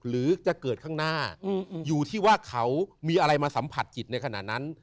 หรือจะเกิดข้างหน้าอยู่ที่ว่าเขามีอะไรมาสัมผัสจิตในขณะนั้น